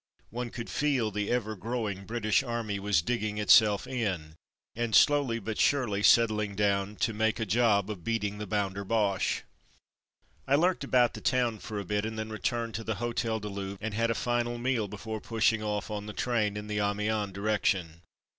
One could feel the ever growing British Army was "digging itself in/' and slowly but surely settling down to " make a job of beating the Bounder Boche. '" I lurked about the town for a bit and then returned to the Hotel de Louvre and had a final meal before pushing off on the train in the Amiens direction.